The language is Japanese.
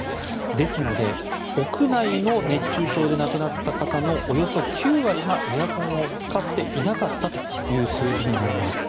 ですので屋内の熱中症で亡くなった方のおよそ９割がエアコンを使っていなかったという数字になります。